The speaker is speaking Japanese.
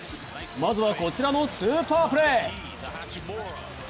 まずは、こちらのスーパープレー。